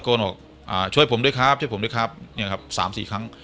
โกนออกช่วยผมด้วยครับช่วยผมด้วยครับเนี้ยครับ๓๔ครั้ง